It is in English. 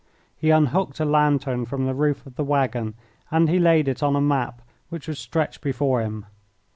He unhooked a lantern from the roof of the waggon and he laid it on a map which was stretched before him.